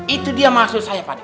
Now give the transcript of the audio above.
itu dia maksud saya pak de